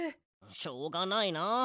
しょうがないな。